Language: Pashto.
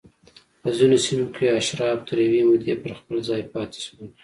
په ځینو سیمو کې اشراف تر یوې مودې پر خپل ځای پاتې شول